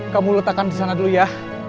kamu letakkan di sana dulu ya